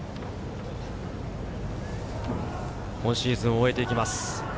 今シーズンを終えています。